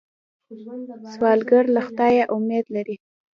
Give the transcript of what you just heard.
سوالګر له خدایه امید لري